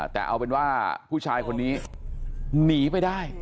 แต่เอาเป็นว่าผู้ชายคนนี้หนีไปได้